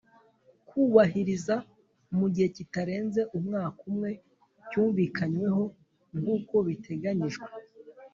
Kubahiriza mu gihe kitarenze umwaka umwe cyumvikanweho nk uko biteganyijwe